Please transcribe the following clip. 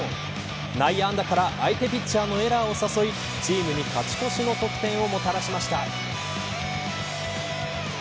内野安打から相手ピッチャーのエラーを誘いチームに勝ち越しの得点をもたらしました。